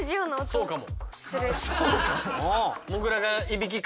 そうかも。